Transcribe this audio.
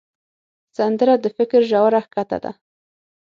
سندره د فکر ژوره ښکته ده